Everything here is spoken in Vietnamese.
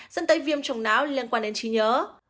dẫn tới viêm trồng não liên quan đến trí nhớ